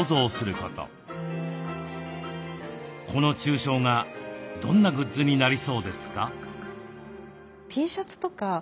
この抽象画どんなグッズになりそうですか？